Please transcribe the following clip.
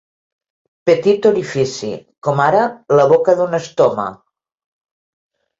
Petit orifici, com ara la boca d'un estoma.